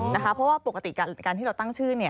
เพราะว่าปกติการที่เราตั้งชื่อ